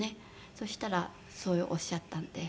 そうしたらそうおっしゃったので。